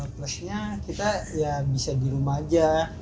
plusnya kita bisa di rumah saja